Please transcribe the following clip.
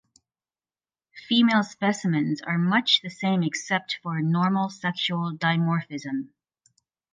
Female specimens are much the same except for normal sexual dimorphism.